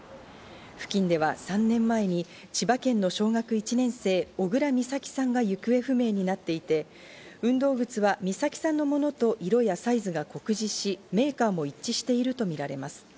付近では３年前に千葉県の小学１年生・小倉美咲が行方不明になっていて、運動靴は美咲さんのものと色やサイズが酷似し、メーカーも一致しているとみられます。